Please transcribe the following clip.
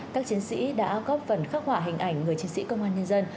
các chiến sĩ đã góp phần khắc họa hình ảnh người chiến sĩ công an nhân dân